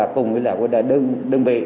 cùng với đơn vị